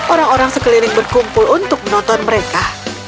orang orang sekeliling berkumpul untuk menonton mereka